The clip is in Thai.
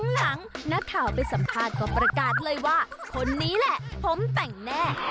หลังนักข่าวไปสัมภาษณ์ก็ประกาศเลยว่าคนนี้แหละผมแต่งแน่